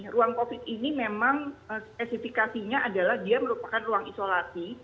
ruang covid ini memang spesifikasinya adalah dia merupakan ruang isolasi